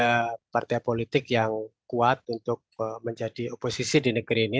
ada partai politik yang kuat untuk menjadi oposisi di negeri ini